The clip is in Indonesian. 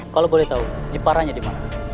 kalau boleh tahu jeparanya di mana